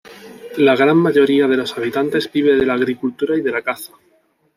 La gran mayoría de los habitantes vive de la agricultura y de la caza.